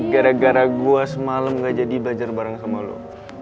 gara gara gue semalam gak jadi belajar bareng sama lo